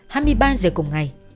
hai mươi ba h cùng ngày